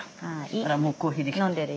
あらもうコーヒーきてる。